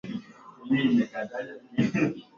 Tatu, ikifuatiwa na Uganda asilimia themanini na mbili.